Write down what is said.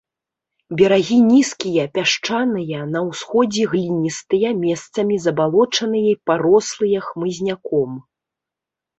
Берагі нізкія, пясчаныя, на ўсходзе гліністыя, месцамі забалочаныя і парослыя хмызняком.